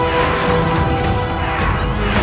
jangan lari kamu